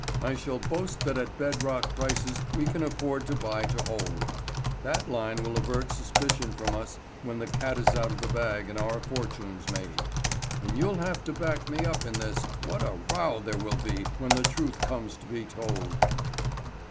I shall boast that at bed rock prices we can afford to buy to hold. That line will avert suspicion from us when the cat is out of the bag and our fortunes made. And you'll have to back me up in this. What a row there will be when the truth comes to be told!"